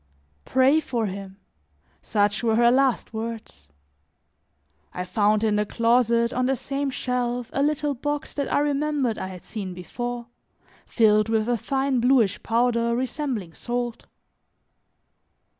"Pray for him," such were her last words. I found in the closet, on the same shelf, a little box that I remembered I had seen before, filled with a fine bluish powder resembling salt.